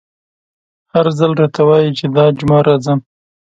هر ځل راته وايي چې دا جمعه راځم….